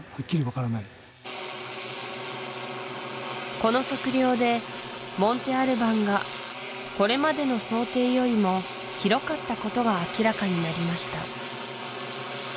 この測量でモンテ・アルバンがこれまでの想定よりも広かったことが明らかになりました